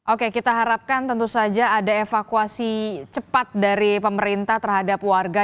oke kita harapkan tentu saja ada evakuasi cepat dari pemerintah terhadap warga